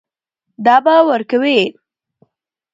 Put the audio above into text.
دا به ورکوې.